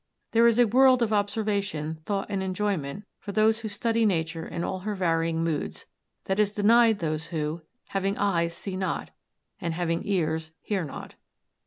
There is a world of observation, thought and enjoyment for those who study nature in all her varying moods that is denied those who, having eyes see not and having ears hear not.